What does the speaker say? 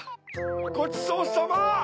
ごちそうさま！